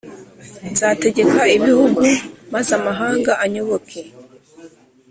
Nzategeka ibihugu maze amahanga anyoboke,